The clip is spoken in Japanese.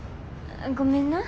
ごめんな。